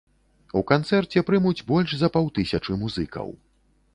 У канцэрце прымуць больш за паўтысячы музыкаў.